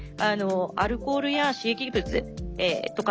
アルコールや刺激物とかのですね